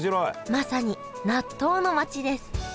まさに納豆の街です